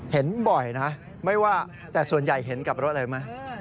เห็นบ่อยนะไม่ว่าแต่ส่วนใหญ่เห็นกับรถอะไรไหม